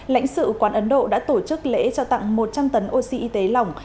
lãnh sự quán ấn độ đã tổ chức lễ trao tặng một trăm linh tấn oxy y tế lỏng